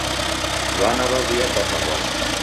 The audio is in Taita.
W'ana w'aw'iapata w'asi.